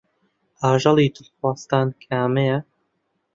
ئاژەڵی دڵخوازتان کامەیە؟